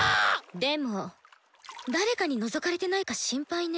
でも誰かにのぞかれてないか心配ね。